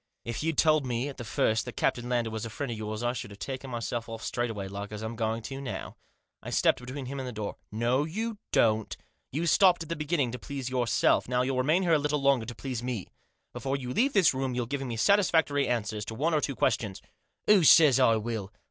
If you'd told me at the first that Captain Lander was a friend of yours, I should have taken myself off straightway, like as I'm going to now." I stepped between him and the door. "No you don't. You stopped at the beginning to please yourself; now you'll remain a little longer to please me. Before you leave this room you'll give me satisfactory answers to one or two ques tions." "Who says I will?"